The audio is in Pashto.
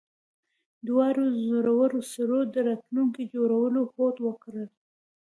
دواړو زړورو سړو د راتلونکي جوړولو هوډ وکړ